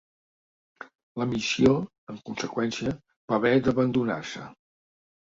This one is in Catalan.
La missió, en conseqüència, va haver d'abandonar-se.